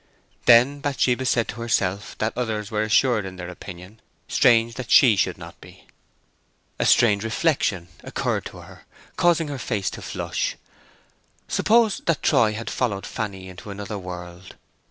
Then Bathsheba said to herself that others were assured in their opinion; strange that she should not be. A strange reflection occurred to her, causing her face to flush. Suppose that Troy had followed Fanny into another world.